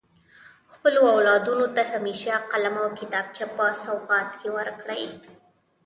خپلو اولادونو ته همیشه قلم او کتابچه په سوغات کي ورکړئ.